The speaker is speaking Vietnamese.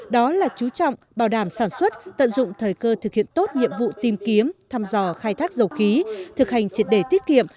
đó là chú trọng bảo đảm sản xuất tận dụng thời cơ thực hiện tốt nhiệm vụ tìm kiếm thăm dò khai thác dầu khí thực hành triệt đề tiết kiệm